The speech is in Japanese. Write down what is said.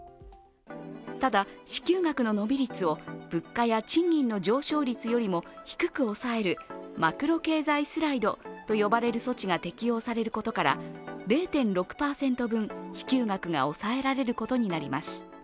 ただ支給額の伸び率を物価や賃金の上昇率よりも低く抑えるマクロ経済スライドと呼ばれる措置が適用されることから０．６％分、支給額が抑えられることになります。